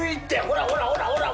ほらほらほらほら。